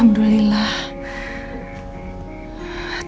tempatnya cukup menenangkan